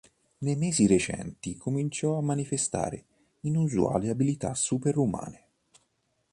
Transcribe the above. Nei mesi recenti, cominciò a manifestare inusuali abilità super umane.